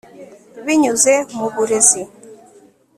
binyuze mu burezi